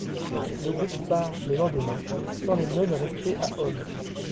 Le groupe part le lendemain, sans les nonnes restées à On.